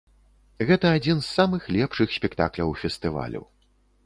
Гэта адзін з самых лепшых спектакляў фестывалю.